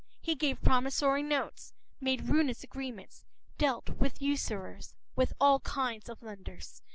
He gave promissory notes, made ruinous agreements, dealt with usurers, with all kinds of lenders.